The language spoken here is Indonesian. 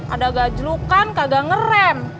ada gak jelukan kagak ngerem